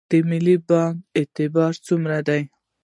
د ملي بانک اعتبار څومره دی؟